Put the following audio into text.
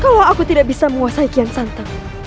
kalau aku tidak bisa menguasai kian santan